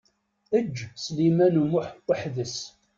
Eǧǧ Sliman U Muḥ weḥd-s.